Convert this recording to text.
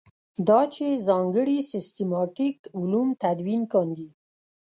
دا چې ځانګړي سیسټماټیک علوم تدوین کاندي.